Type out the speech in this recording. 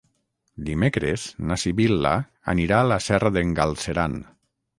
Dimecres na Sibil·la anirà a la Serra d'en Galceran.